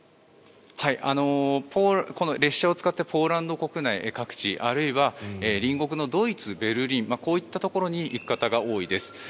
この列車を使ってポーランド国内各地あるいは隣国のドイツ・ベルリンこういったところに行く方が多いです。